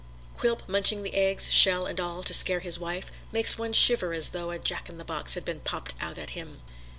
Quilp munching the eggs, shells and all, to scare his wife, makes one shiver as though a Jack in the box had been popped out at him.